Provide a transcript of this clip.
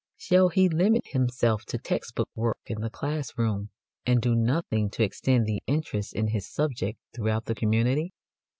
Shall he limit himself to text book work in the class room, and do nothing to extend the interest in his subject throughout the community?